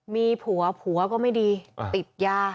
มีผัวผัวก็ไม่ดีติดยา